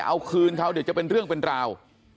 เอาคืนเขาเดี๋ยวจะเป็นเรื่องเป็นราว